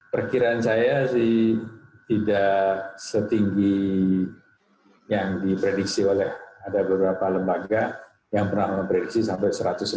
berapa lembaga yang pernah memprediksi sampai seratus